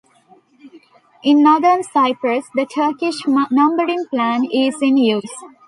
In Northern Cyprus, the Turkish numbering plan is in use.